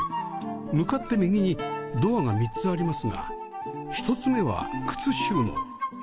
向かって右にドアが３つありますが１つ目は靴収納